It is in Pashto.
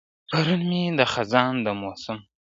پرون مي د خزان د موسم ,